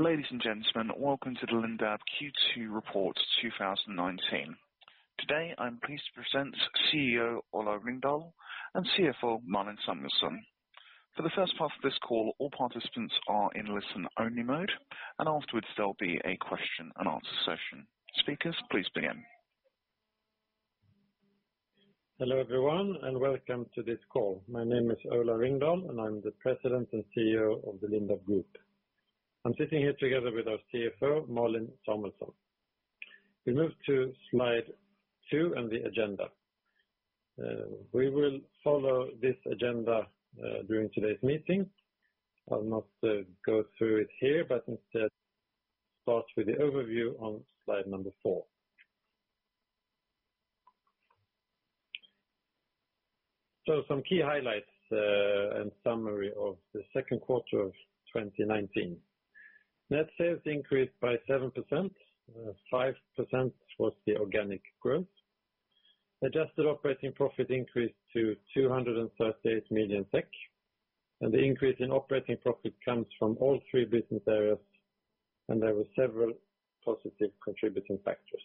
Ladies and gentlemen, welcome to the Lindab Q2 Report 2019. Today, I'm pleased to present Chief Executive Officer Ola Ringdahl, and Chief Financial Officer Malin Samuelsson. For the first part of this call, all participants are in listen-only mode. Afterwards, there'll be a question and answer session. Speakers, please begin. Hello, everyone, and welcome to this call. My name is Ola Ringdahl, and I'm the President and Chief Executive Officer of the Lindab Group. I'm sitting here together with our Chief Financial Officer, Malin Samuelsson. We move to slide two and the agenda. We will follow this agenda during today's meeting. I'll not go through it here, but instead start with the overview on slide number four. Some key highlights and summary of the Q2 of 2019. Net sales increased by 7%. 5% was the organic growth. Adjusted operating profit increased to 238 million, and the increase in operating profit comes from all 3 business areas, and there were several positive contributing factors.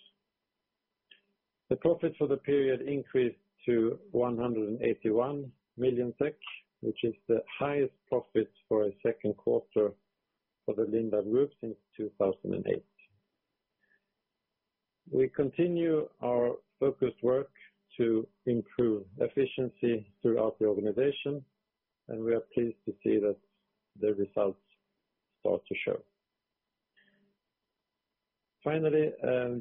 The profit for the period increased to 181 million SEK, which is the highest profit for a Q2 for the Lindab Group since 2008. We continue our focused work to improve efficiency throughout the organization, and we are pleased to see that the results start to show. Finally,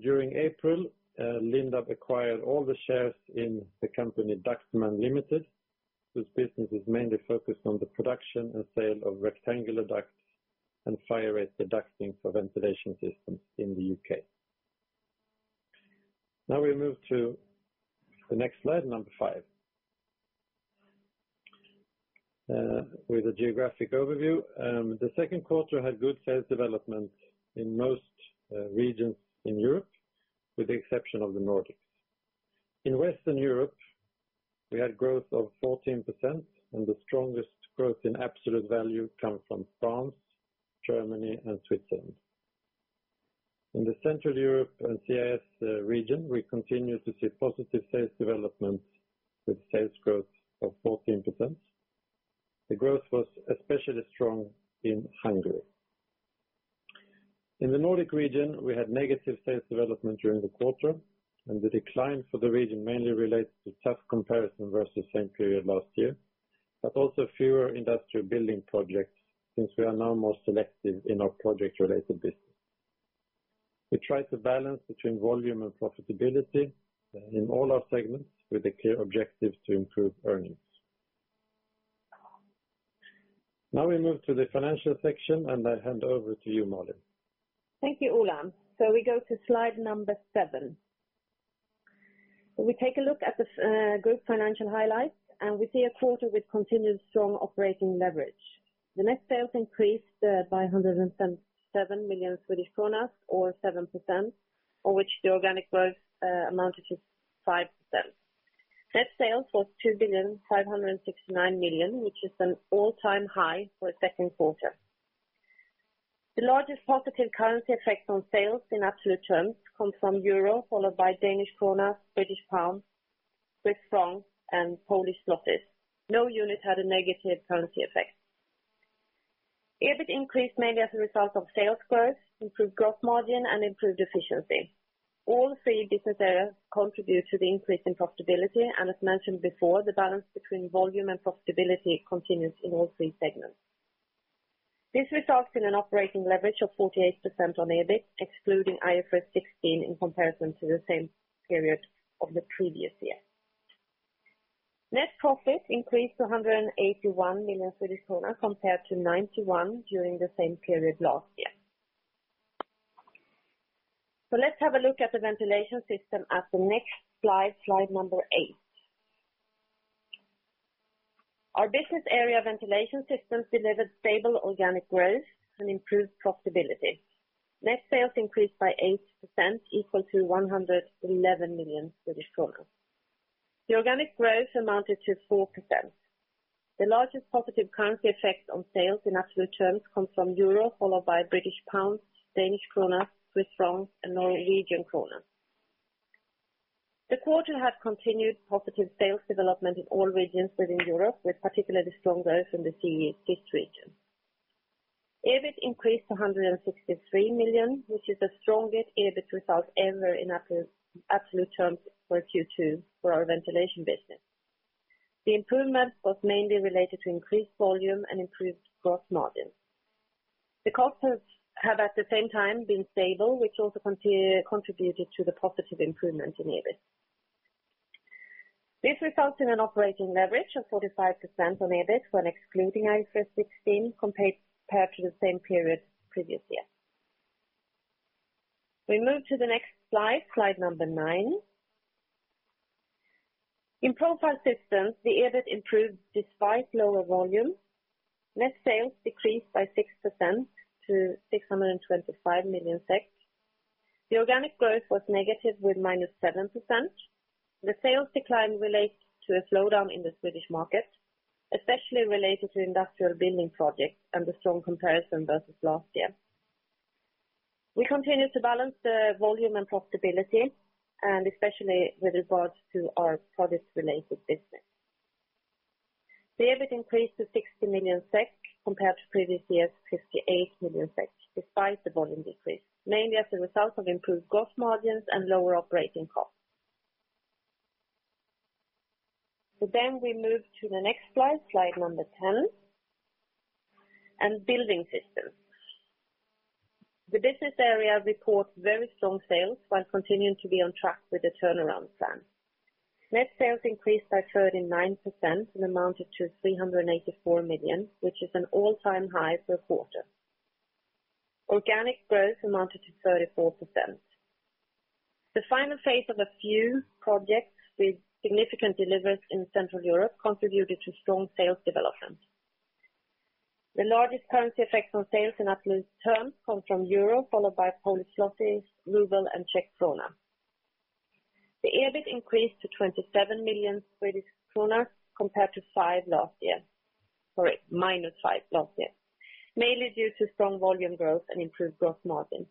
during April, Lindab acquired all the shares in the company, Ductmann Ltd., whose business is mainly focused on the production and sale of rectangular ducts and fire-rated ducting for ventilation systems in the U.K. We move to the next slide, number five. With a geographic overview, the Q2 had good sales development in most regions in Europe, with the exception of the Nordics. In Western Europe, we had growth of 14%. The strongest growth in absolute value come from France, Germany, and Switzerland. In the Central Europe and CIS region, we continue to see positive sales development, with sales growth of 14%. The growth was especially strong in Hungary. In the Nordic region, we had negative sales development during the quarter. The decline for the region mainly relates to tough comparison versus same period last year, but also fewer industrial building projects since we are now more selective in our project-related business. We try to balance between volume and profitability in all our segments with a clear objective to improve earnings. Now we move to the financial section, and I hand over to you, Malin. Thank you, Ola. We go to slide number seven. We take a look at the group financial highlights, and we see a quarter with continued strong operating leverage. The net sales increased by 107 million Swedish kronor or 7%, of which the organic growth amounted to 5%. Net sales was 2.569 billion, which is an all-time high for a Q2. The largest positive currency effect on sales in absolute terms come from EUR, followed by DKK, GBP, CHF, and PLN. No unit had a negative currency effect. EBIT increased mainly as a result of sales growth, improved gross margin, and improved efficiency. All three business areas contribute to the increase in profitability, and as mentioned before, the balance between volume and profitability continues in all three segments. This results in an operating leverage of 48% on EBIT, excluding IFRS 16 in comparison to the same period of the previous year. Net profit increased to 181 million Swedish kronor compared to 91 million during the same period last year. Let's have a look at the Ventilation Systems at the next slide number eight. Our business area Ventilation Systems delivered stable organic growth and improved profitability. Net sales increased by 8%, equal to SEK 111 million. The organic growth amounted to 4%. The largest positive currency effect on sales in absolute terms come from Euro, followed by British pound, Danish krona, Swiss franc, and Norwegian krona. The quarter had continued positive sales development in all regions within Europe, with particularly strong growth in the CE East region. EBIT increased to 163 million, which is the strongest EBIT result ever in absolute terms for Q2 for our ventilation business. The improvement was mainly related to increased volume and improved gross margin. The costs have at the same time been stable, which also contributed to the positive improvement in EBIT. This results in an operating leverage of 45% on EBIT when excluding IFRS 16, compared to the same period previous year. We move to the next slide number nine. In Profile Systems, the EBIT improved despite lower volume. Net sales decreased by 6% to 625 million. The organic growth was negative with -7%. The sales decline relates to a slowdown in the Swedish market, especially related to industrial building projects and the strong comparison versus last year. We continue to balance the volume and profitability, and especially with regards to our product related business. The EBIT increased to 60 million SEK, compared to previous year's 58 million SEK, despite the volume decrease, mainly as a result of improved gross margins and lower operating costs. We move to the next slide number 10, and Building Systems. The business area reports very strong sales while continuing to be on track with the turnaround plan. Net sales increased by 39% and amounted to 384 million, which is an all-time high per quarter. Organic growth amounted to 34%. The final phase of a few projects with significant deliveries in Central Europe contributed to strong sales development. The largest currency effect on sales in absolute terms come from Euro, followed by Polish zloty, ruble and Czech krona. The EBIT increased to 27 million Swedish kronor compared to five last year, sorry, -5 last year, mainly due to strong volume growth and improved gross margin.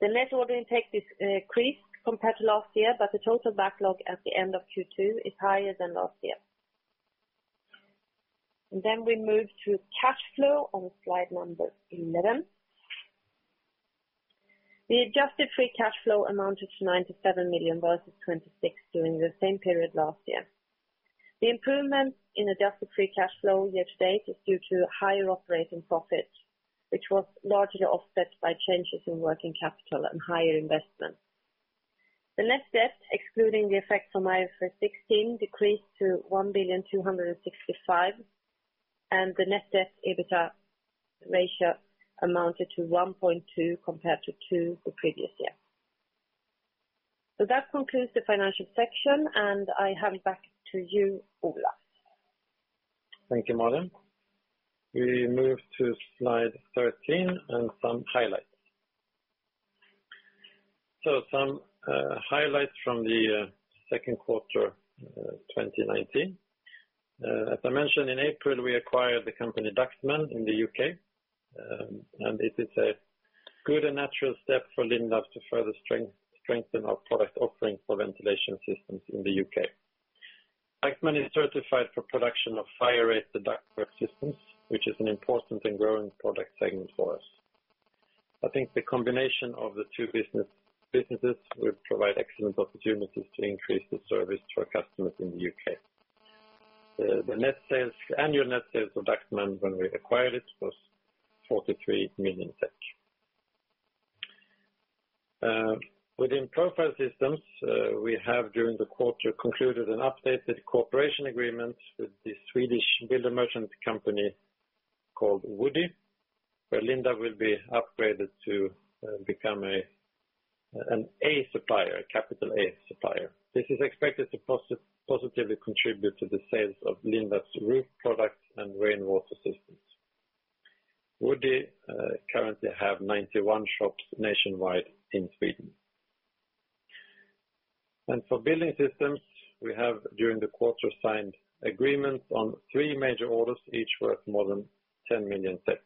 The net order intake decreased compared to last year, but the total backlog at the end of Q2 is higher than last year. We move to cash flow on slide number 11. The adjusted free cash flow amounted to 97 million versus 26 during the same period last year. The improvement in adjusted free cash flow year to date is due to higher operating profits, which was largely offset by changes in working capital and higher investment. The net debt, excluding the effect from IFRS 16, decreased to 1,265 million, and the Net debt/EBITA ratio amounted to 1.2 compared to two the previous year. That concludes the financial section, and I hand it back to you, Ola. Thank you, Malin. We move to slide 13 and some highlights. Highlights from the Q2 2019. As I mentioned, in April, we acquired the company Ductmann in the U.K. It is a good and natural step for Lindab to further strengthen our product offering for Ventilation Systems in the U.K. Ductmann is certified for production of fire-rated ductwork systems, which is an important and growing product segment for us. I think the combination of the two businesses will provide excellent opportunities to increase the service to our customers in the U.K. The annual net sales of Ductmann when we acquired it was 43 million. Within Profile Systems, we have, during the quarter, concluded an updated cooperation agreement with the Swedish builder merchant company called Woody, where Lindab will be upgraded to become an A supplier, capital A supplier. This is expected to positively contribute to the sales of Lindab's roof products and rainwater systems. Woody currently have 91 shops nationwide in Sweden. For Building Systems, we have, during the quarter, signed agreements on three major orders, each worth more than 10 million SEK,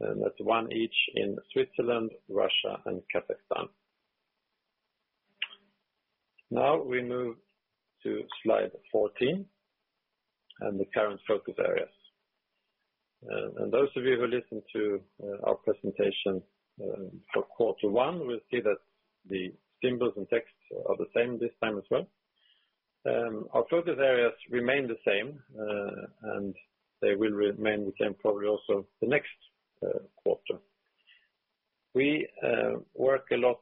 and that's one each in Switzerland, Russia, and Kazakhstan. We move to slide 14 and the current focus areas. Those of you who listened to our presentation for quarter one, will see that the symbols and texts are the same this time as well. Our focus areas remain the same, and they will remain the same probably also the next quarter. We work a lot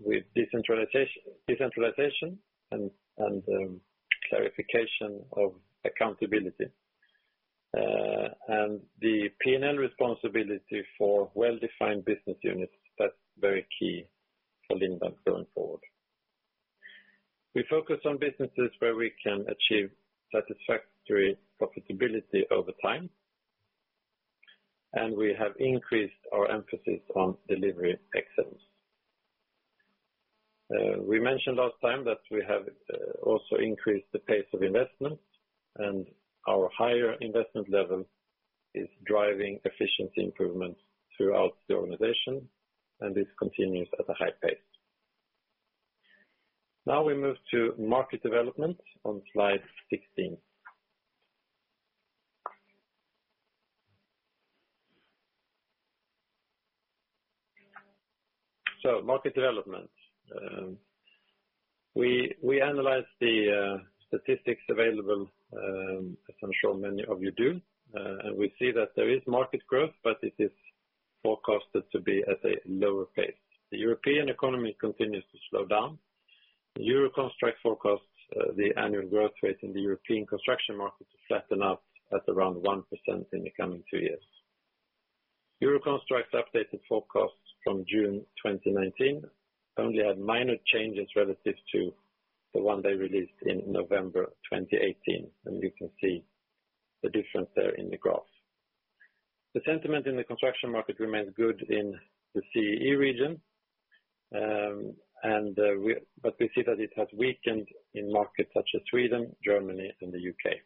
with decentralization and clarification of accountability. The P&L responsibility for well-defined business units, that's very key for Lindab going forward. We focus on businesses where we can achieve satisfactory profitability over time, and we have increased our emphasis on delivery excellence. We mentioned last time that we have also increased the pace of investment, and our higher investment level is driving efficiency improvements throughout the organization, and this continues at a high pace. Now, we move to market development on slide 16. Market development. We analyze the statistics available, as I'm sure many of you do, and we see that there is market growth, but it is forecasted to be at a lower pace. The European economy continues to slow down. Euroconstruct forecasts the annual growth rate in the European construction market to flatten out at around 1% in the coming two years. Euroconstruct's updated forecasts from June 2019 only had minor changes relative to the one they released in November 2018, and you can see the difference there in the graph. The sentiment in the construction market remains good in the CEE region, but we see that it has weakened in markets such as Sweden, Germany, and the U.K.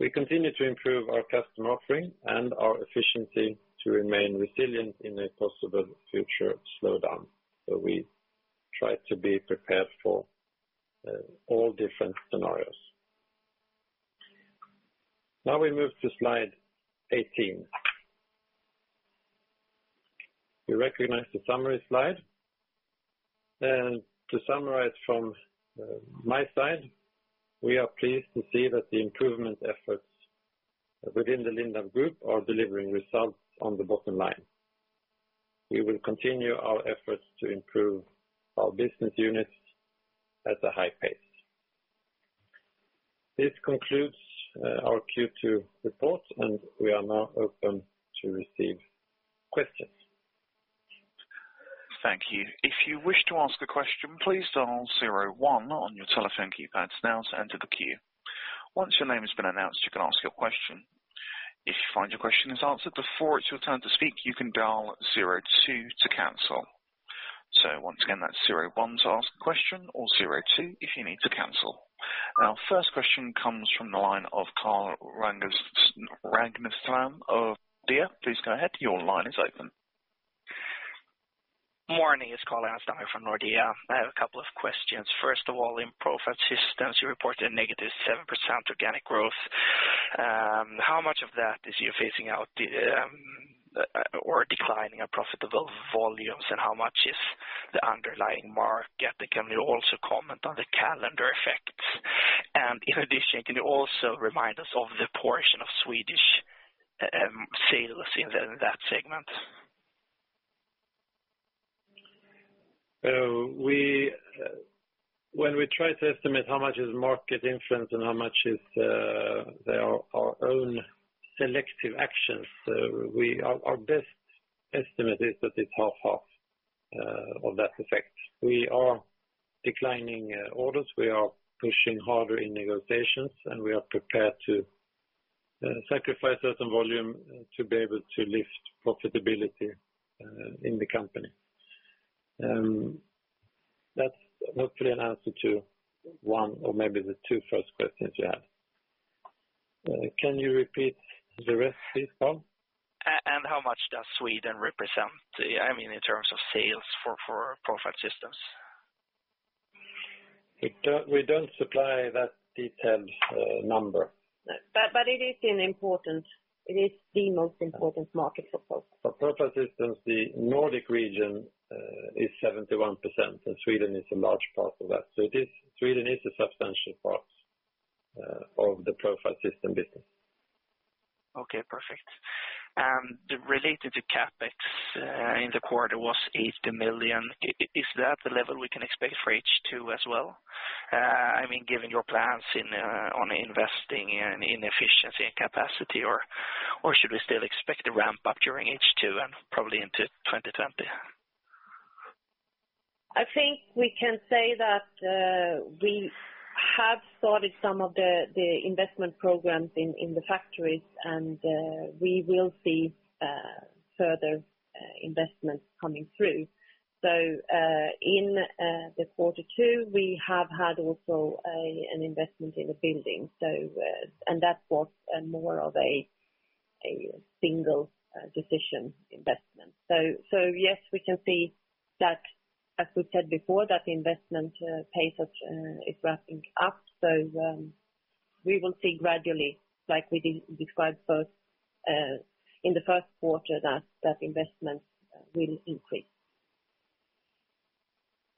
We continue to improve our customer offering and our efficiency to remain resilient in a possible future slowdown. We try to be prepared for all different scenarios. Now we move to slide 18. You recognize the summary slide. To summarize from my side, we are pleased to see that the improvement efforts within the Lindab Group are delivering results on the bottom line. We will continue our efforts to improve our business units at a high pace. This concludes our Q2 report. We are now open to receive questions. Thank you. If you wish to ask a question, please dial zero one on your telephone keypads now to enter the queue. Once your name has been announced, you can ask your question. If you find your question is answered before it's your turn to speak, you can dial zero two to cancel. Once again, that's zero one to ask a question or zero two if you need to cancel. Our first question comes from the line of Carl Ragnerstam of Nordea. Please go ahead, your line is open. Morning, it's Carl Ragnesten from Nordea. I have a couple of questions. First of all, in Profile Systems, you reported a- 7% organic growth. How much of that is you phasing out, or declining a profitable volumes, and how much is the underlying market? Can you also comment on the calendar effects? In addition, can you also remind us of the portion of Swedish sales in that segment? We, when we try to estimate how much is market influence and how much is, there are our own selective actions, our best estimate is that it's half of that effect. We are declining orders, we are pushing harder in negotiations, and we are prepared to sacrifice certain volume to be able to lift profitability in the company. That's hopefully an answer to one, or maybe the two first questions you had. Can you repeat the rest, please, Carl? How much does Sweden represent, I mean, in terms of sales for Profile Systems? We don't supply that detailed number. It is the most important market for Profile. For Profile Systems, the Nordic region, is 71%, and Sweden is a large part of that. Sweden is a substantial part, of the Profile System business. Okay, perfect. Related to CapEx, in the quarter was 80 million. Is that the level we can expect for H2 as well? I mean, given your plans in, on investing in, efficiency and capacity, or should we still expect a ramp-up during H2 and probably into 2020? I think we can say that we have started some of the investment programs in the factories, and we will see further investments coming through. In the quarter two, we have had also an investment in the building. That was more of a single decision investment. Yes, we can see that, as we said before, that the investment pace of is ramping up. We will see gradually, like we described first, in the Q1, that investment will increase.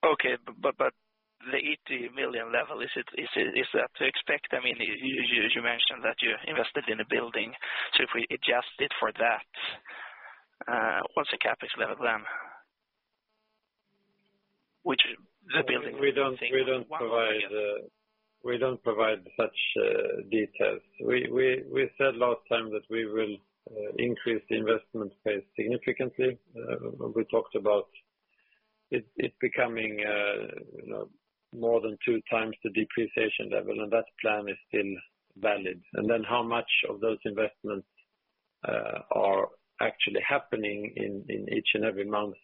Okay. But the 80 million level, is that to expect? I mean, you mentioned that you invested in a building, if we adjust it for that, what's the CapEx level then? We don't provide such details. We said last time that we will increase the investment pace significantly. We talked about it becoming, you know, more than two times the depreciation level, and that plan is still valid. Then how much of those investments are actually happening in each and every month,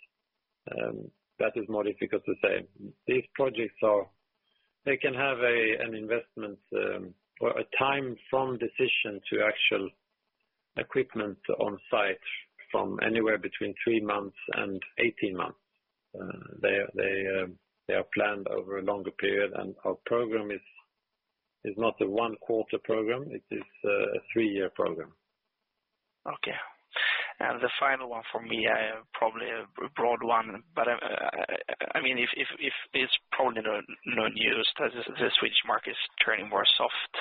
that is more difficult to say. These projects, they can have an investment or a time from decision to actual equipment on site from anywhere between three months and 18 months. They are planned over a longer period, and our program is not a one-quarter program, it is a three-year program. Okay. The final one for me, probably a broad one, but, I mean, if it's probably no news that the Swedish market is turning more soft,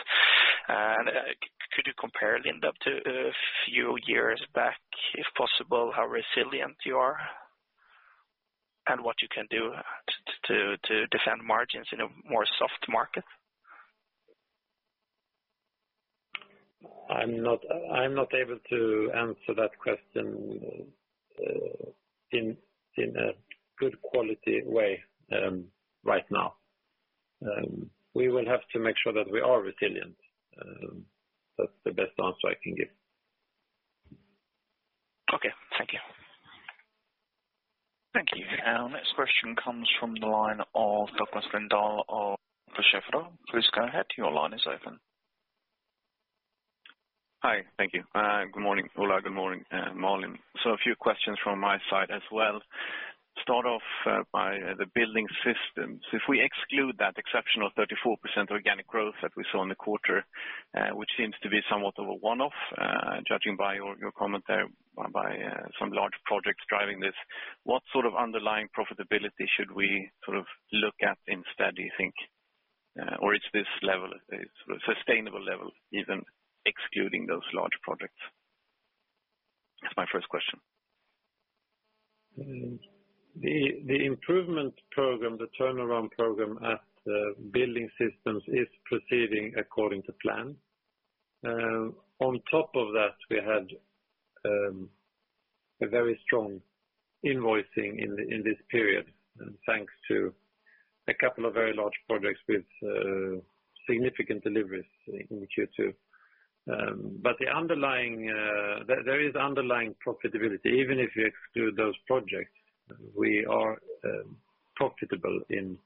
could you compare Lindab to a few years back, if possible, how resilient you are? What you can do to defend margins in a more soft market? I'm not able to answer that question, in a good quality way, right now. We will have to make sure that we are resilient. That's the best answer I can give. Okay, thank you. Thank you. Our next question comes from the line of Douglas Lindahl of DNB. Please go ahead, your line is open. Hi. Thank you. Good morning, Ola, good morning, Malin. A few questions from my side as well. Start off by the Building Systems. If we exclude that exceptional 34% organic growth that we saw in the quarter, which seems to be somewhat of a one-off, judging by your comment there, by some large projects driving this, what sort of underlying profitability should we sort of look at instead, do you think? Or is this level a sustainable level, even excluding those large projects? That's my first question. The, the improvement program, the turnaround program at Building Systems is proceeding according to plan. On top of that, we had a very strong invoicing in this period, and thanks to a couple of very large projects with significant deliveries in Q2. The underlying, there is underlying profitability. Even if you exclude those projects, we are profitable in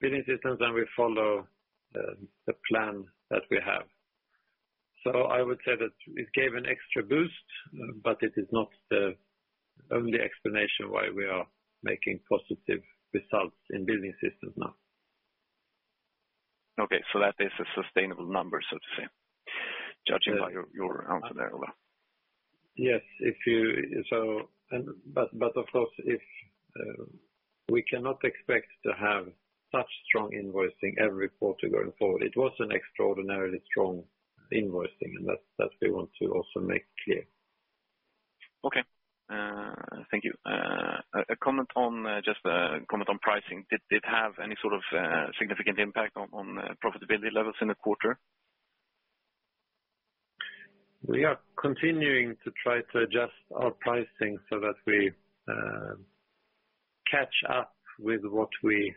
Building Systems, and we follow the plan that we have. I would say that it gave an extra boost, but it is not the only explanation why we are making positive results in Building Systems now. Okay, that is a sustainable number, so to say, judging by your answer there, Ola. Yes, if But of course, if we cannot expect to have such strong invoicing every quarter going forward, it was an extraordinarily strong invoicing, and that we want to also make clear. Okay, thank you. A comment on just a comment on pricing. Did it have any sort of significant impact on profitability levels in the quarter? We are continuing to try to adjust our pricing so that we catch up with what we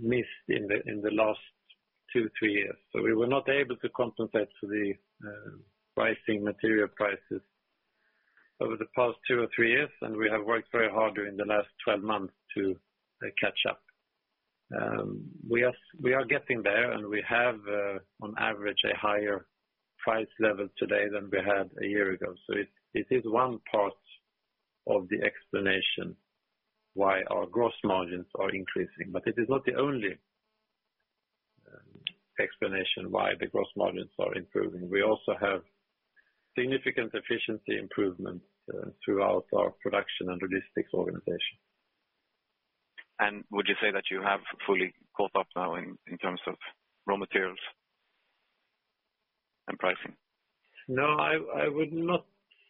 missed in the last two to three years. We were not able to compensate for the pricing, material prices over the past two or three years, and we have worked very hard during the last 12 months to catch up. We are getting there, and we have, on average, a higher price level today than we had a year ago. It is one part of the explanation why our gross margins are increasing, but it is not the only explanation why the gross margins are improving. We also have significant efficiency improvement throughout our production and logistics organization. Would you say that you have fully caught up now in terms of raw materials and pricing? No, I would not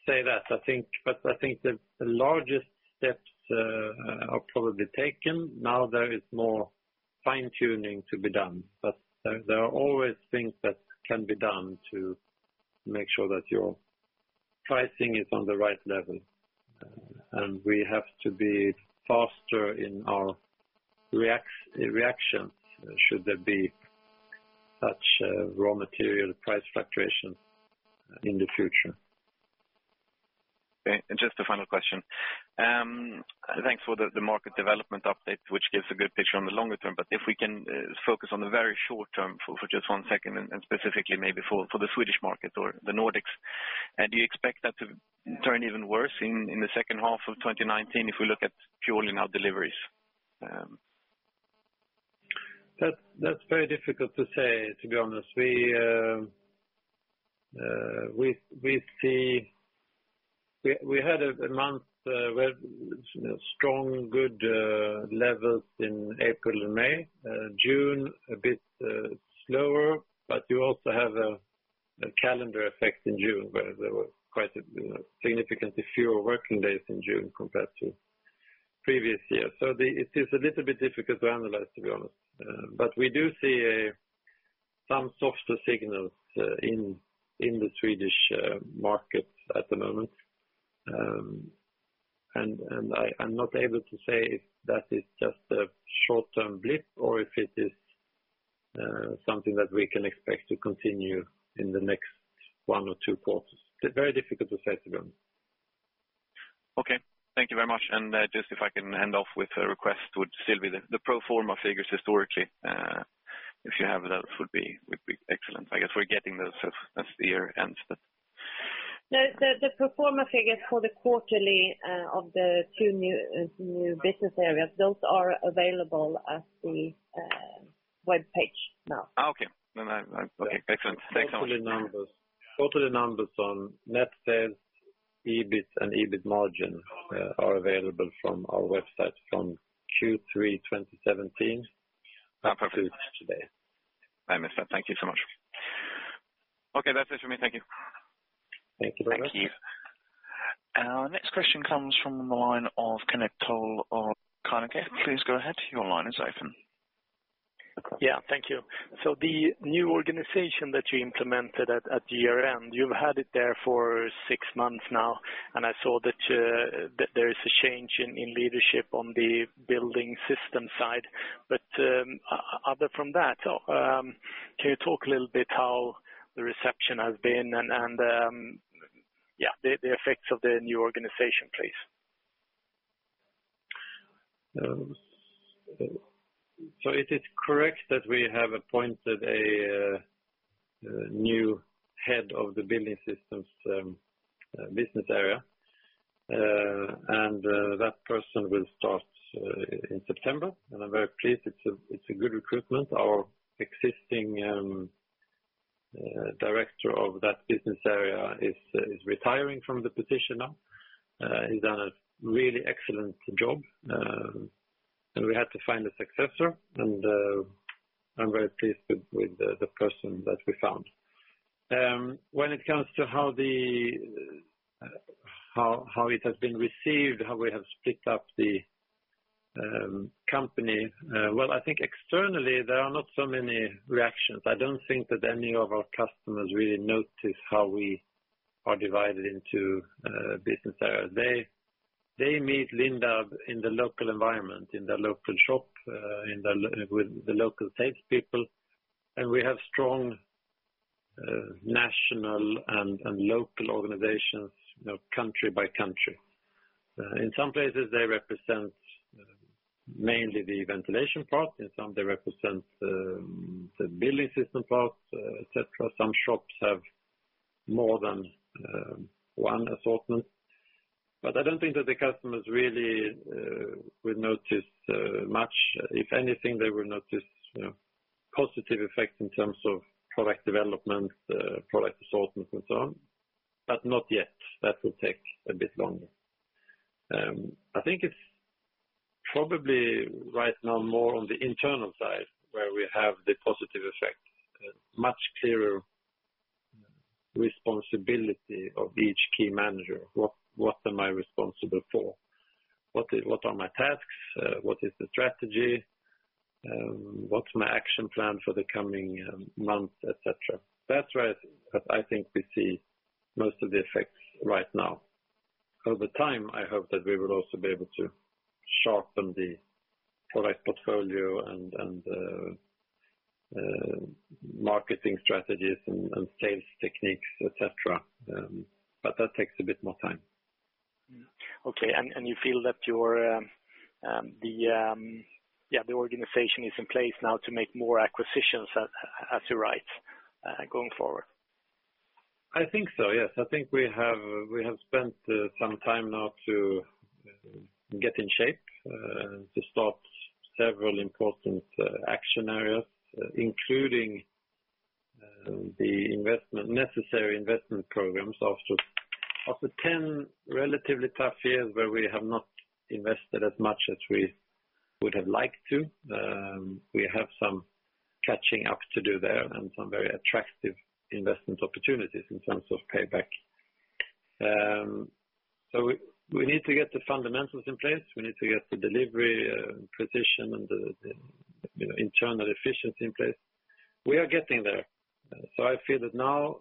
say that. I think, but I think the largest steps are probably taken. Now there is more fine-tuning to be done, but there are always things that can be done to make sure that your pricing is on the right level, and we have to be faster in our reaction, should there be such a raw material price fluctuation in the future. Just a final question. Thanks for the market development update, which gives a good picture on the longer term, but if we can focus on the very short term for just one second, and specifically maybe for the Swedish market or the Nordics. Do you expect that to turn even worse in the second half of 2019, if we look at purely now deliveries? That's very difficult to say, to be honest. We had a month where, you know, strong, good levels in April and May, June, a bit slower, but you also have a calendar effect in June, where there were quite a, you know, significantly fewer working days in June compared to previous years. It is a little bit difficult to analyze, to be honest, but we do see some softer signals in the Swedish market at the moment. I'm not able to say if that is just a short-term blip or if it is something that we can expect to continue in the next one or two quarters. It's very difficult to say, to be honest. Okay, thank you very much. Just if I can end off with a request, would still be the pro forma figures historically, if you have that, would be, would be excellent. I guess we're getting those as the year ends, but. The pro forma figures for the quarterly of the two new business areas, those are available at the webpage now. Okay, excellent. Thanks so much. Total numbers. Total numbers on net sales, EBIT and EBIT margin, are available from our website from Q3 2017. Perfect. To today. I missed that. Thank you so much. That's it for me. Thank you. Thank you. Thank you. Our next question comes from the line of Carl Deijenberg of Carnegie. Please go ahead, your line is open. Yeah, thank you. The new organization that you implemented at the year-end, you've had it there for six months now, and I saw that there is a change in leadership on the Building Systems side. Other from that, can you talk a little bit how the reception has been and the effects of the new organization, please? It is correct that we have appointed a new head of the Building Systems business area. That person will start in September, and I'm very pleased. It's a good recruitment. Our existing director of that business area is retiring from the position now. He's done a really excellent job, and we had to find a successor, and I'm very pleased with the person that we found. When it comes to how it has been received, how we have split up the company, well, I think externally, there are not so many reactions. I don't think that any of our customers really notice how we are divided into business areas. They meet Lindab in the local environment, in the local shop, with the local sales people. We have strong national and local organizations, you know, country by country. In some places, they represent mainly the ventilation part, in some, they represent the building system part, et cetera. Some shops have more than one assortment. I don't think that the customers really will notice much. If anything, they will notice, you know, positive effects in terms of product development, product assortment and so on, but not yet. That will take a bit longer. I think it's probably right now more on the internal side where we have the positive effect, a much clearer responsibility of each key manager. What am I responsible for? What are my tasks? What is the strategy? What's my action plan for the coming months, et cetera? That's where I think we see most of the effects right now. Over time, I hope that we will also be able to sharpen the product portfolio and marketing strategies and sales techniques, et cetera. That takes a bit more time. Okay, you feel that your, the, yeah, the organization is in place now to make more acquisitions as you're right, going forward? I think so, yes. I think we have spent some time now to get in shape to start several important action areas, including the necessary investment programs. After 10 relatively tough years where we have not invested as much as we would have liked to, we have some catching up to do there and some very attractive investment opportunities in terms of payback. We need to get the fundamentals in place, we need to get the delivery position and the, you know, internal efficiency in place. We are getting there. I feel that now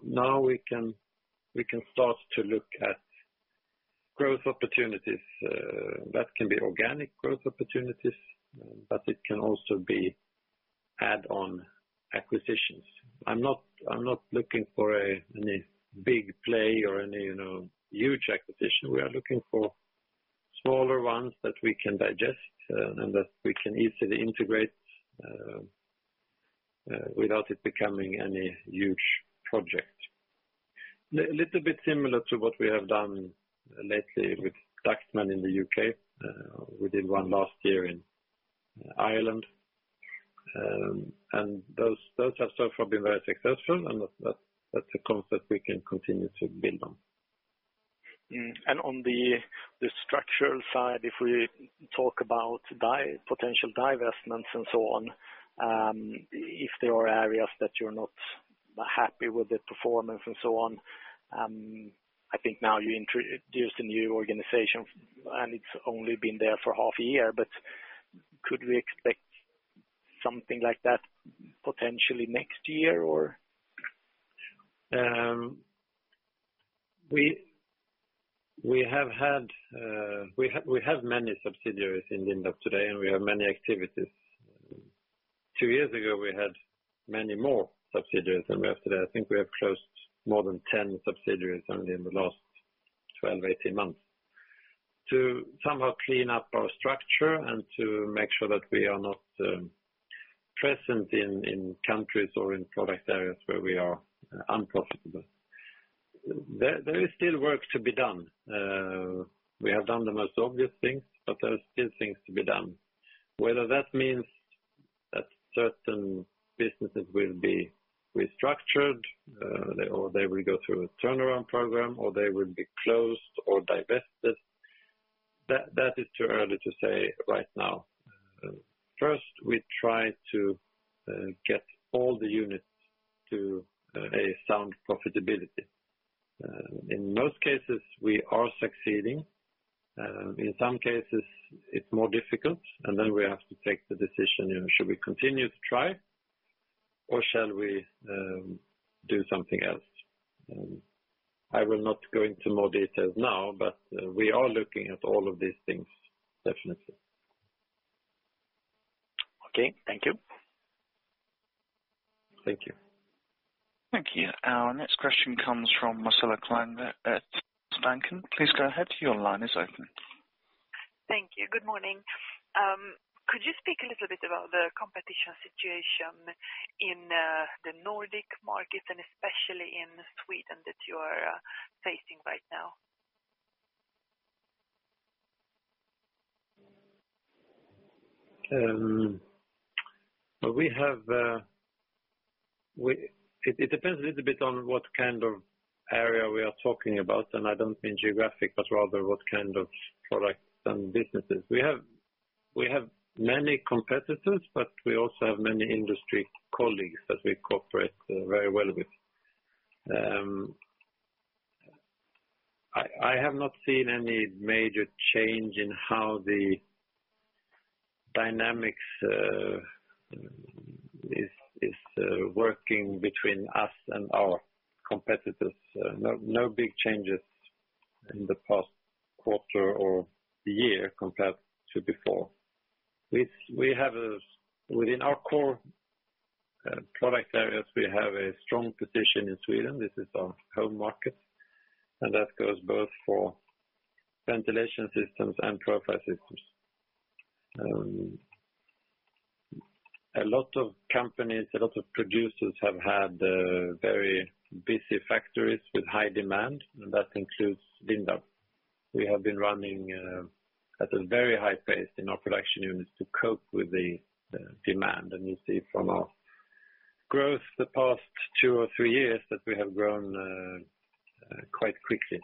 we can start to look at growth opportunities that can be organic growth opportunities, but it can also be add-on acquisitions. I'm not looking for any big play or any, you know, huge acquisition. We are looking for smaller ones that we can digest, and that we can easily integrate without it becoming any huge project. Little bit similar to what we have done lately with Ductmann in the U.K. We did one last year in Ireland, and those have so far been very successful, and that's a concept we can continue to build on. On the structural side, if we talk about potential divestments and so on, if there are areas that you're not happy with the performance and so on, I think now there's a new organization, and it's only been there for half a year, but could we expect something like that potentially next year, or? We have had, we have many subsidiaries in Lindab today, and we have many activities. Two years ago, we had many more subsidiaries than we have today. I think we have closed more than 10 subsidiaries only in the last 12 to 18 months. To somehow clean up our structure and to make sure that we are not present in countries or in product areas where we are unprofitable. There is still work to be done. We have done the most obvious things, but there are still things to be done. Whether that means that certain businesses will be restructured, or they will go through a turnaround program, or they will be closed or divested, that is too early to say right now. First, we try to get all the units to a sound profitability. In most cases, we are succeeding. In some cases it's more difficult, and then we have to take the decision, you know, should we continue to try or shall we do something else? I will not go into more details now, but we are looking at all of these things, definitely. Okay, thank you. Thank you. Thank you. Our next question comes from Marcelo Klein at Handelsbanken. Please go ahead. Your line is open. Thank you. Good morning. Could you speak a little bit about the competition situation in the Nordic market, and especially in Sweden, that you are facing right now? Well, it depends a little bit on what kind of area we are talking about, and I don't mean geographic, but rather what kind of products and businesses. We have many competitors, but we also have many industry colleagues that we cooperate very well with. I have not seen any major change in how the dynamics is working between us and our competitors. No big changes in the past quarter or the year compared to before. We have within our core product areas, we have a strong position in Sweden. This is our home market, and that goes both for Ventilation Systems and Profile Systems. A lot of companies, a lot of producers have had very busy factories with high demand, and that includes Lindab. We have been running at a very high pace in our production units to cope with the demand. You see from our growth the past two or three years, that we have grown quite quickly.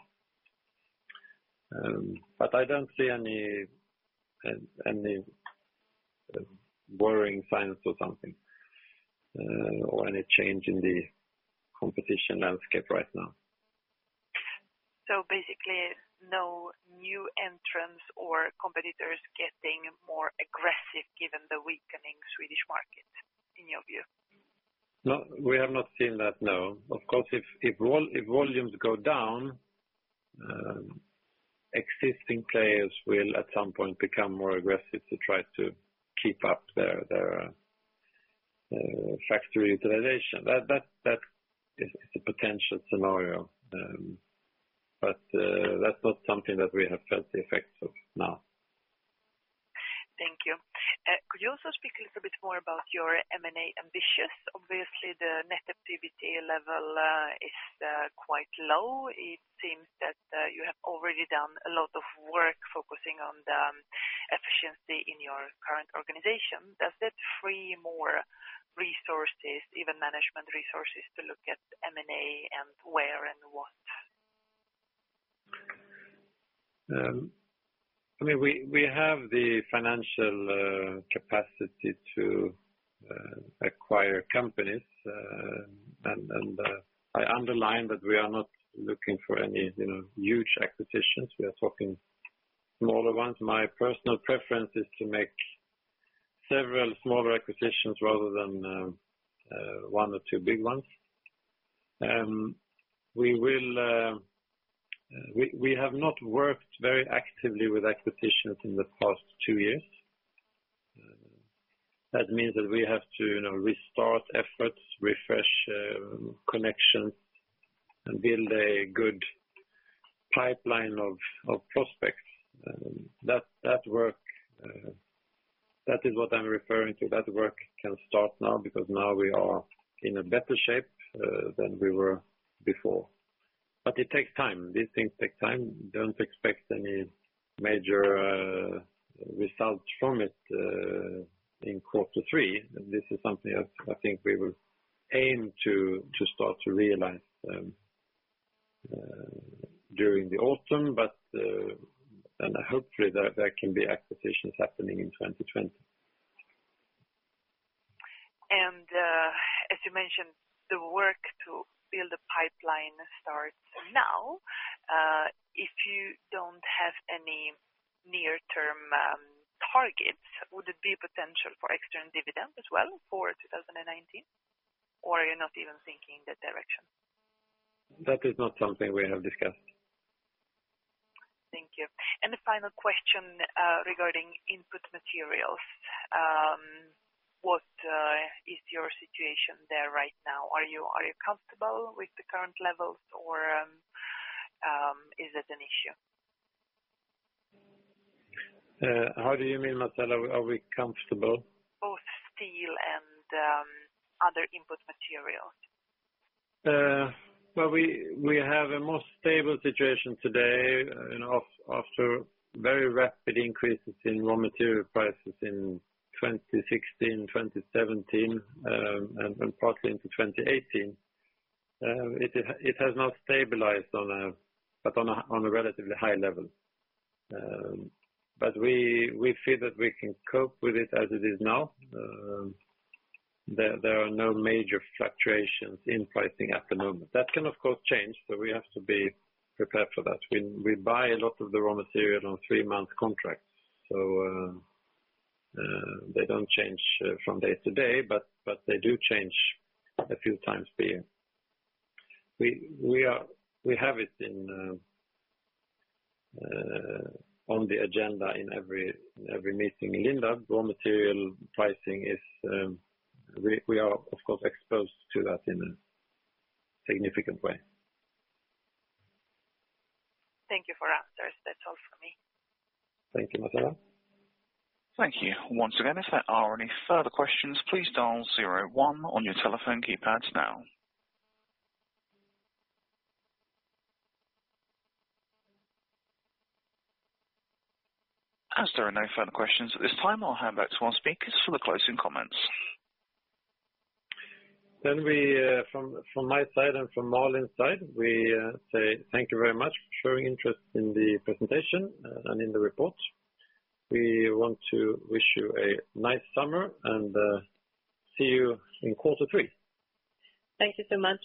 I don't see any worrying signs or something or any change in the competition landscape right now. Basically, no new entrants or competitors getting more aggressive given the weakening Swedish market in your view? No, we have not seen that, no. Of course, if volumes go down, existing players will, at some point, become more aggressive to try to keep up their factory utilization. That is a potential scenario, but that's not something that we have felt the effects of now. Thank you. Could you also speak a little bit more about your M&A ambitions? Obviously, the net activity level is quite low. It seems that you have already done a lot of work focusing on the efficiency in your current organization. Does that free more resources, even management resources, to look at M&A and where and what? I mean, we have the financial capacity to acquire companies. I underline that we are not looking for any, you know, huge acquisitions. We are talking smaller ones. My personal preference is to make several smaller acquisitions rather than one or two big ones. We have not worked very actively with acquisitions in the past two years. That means that we have to, you know, restart efforts, refresh connections, and build a good pipeline of prospects. That work that is what I'm referring to. That work can start now because now we are in a better shape than we were before. It takes time. These things take time. Don't expect any major results from it in quarter three. This is something that I think we will aim to start to realize, during the autumn, but, and hopefully there can be acquisitions happening in 2020. As you mentioned, the work to build a pipeline starts now. If you don't have any near-term targets, would there be potential for extra dividend as well for 2019, or you're not even thinking in that direction? That is not something we have discussed. Thank you. A final question regarding input materials. What is your situation there right now? Are you comfortable with the current levels or is it an issue? How do you mean, Marcelo, are we comfortable? Both steel and other input materials. Well, we have a more stable situation today. After very rapid increases in raw material prices in 2016, 2017, and partly into 2018, it has now stabilized on a, but on a relatively high level. We feel that we can cope with it as it is now. There are no major fluctuations in pricing at the moment. That can, of course, change, so we have to be prepared for that. We buy a lot of the raw material on three-month contracts, so they don't change from day to day, but they do change a few times a year. We have it on the agenda in every meeting in Lindab. Raw material pricing is, we are, of course, exposed to that in a significant way. Thank you for answers. That's all for me. Thank you, Marcelo. Thank you. Once again, if there are any further questions, please dial zero one on your telephone keypads now. As there are no further questions at this time, I'll hand back to our speakers for the closing comments. We, from my side and from Malin's side, we say thank you very much for showing interest in the presentation and in the report. We want to wish you a nice summer, see you in quarter three. Thank you so much.